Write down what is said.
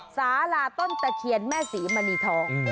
สาลาต้นตะเคียนแม่ศรีมณีทอง